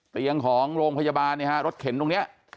เตียงของโรงพยาบาลเนี่ยฮะรถเข็นตรงนี้